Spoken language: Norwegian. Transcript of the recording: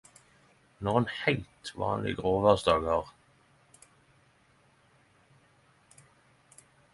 Når ein heilt vanleg gråversdag har